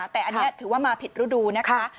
แต่อันนี้ถือว่ามาผิดฤดูนะคะ